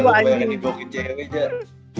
jangan dibohongin cewek aja